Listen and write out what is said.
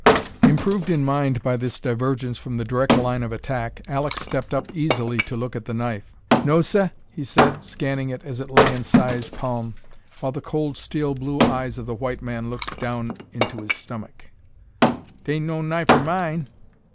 Improved in mind by this divergence from the direct line of attack, Alek stepped up easily to look at the knife. "No, seh," he said, scanning it as it lay in Si's palm, while the cold steel blue eyes of the white man looked down into his stomach, "'tain't no knife er mine."